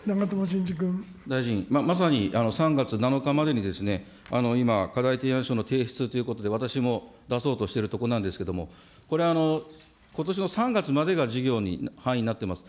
大臣、まさに３月７日までに、今、課題提案書の提出ということで、私も出そうとしているところなんですけれども、これは、ことしの３月までが事業の範囲になってます。